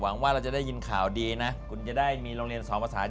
อาสาทจีน